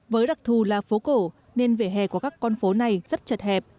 với đặc thù là phố cổ nên vỉa hè của các con phố này rất chật hẹp